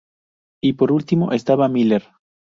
Y por último estaba Miller...